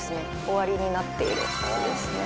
終わりになっているんですね」